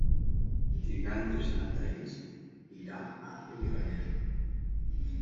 Divendres na Thaís irà a Benifallet.